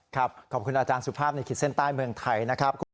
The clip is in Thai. ขอบคุณอาจารย์สุภาพในขีดเส้นใต้เมืองไทยนะครับ